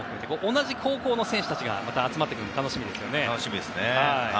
同じ高校の選手たちがまた集まってくるのも楽しみですね。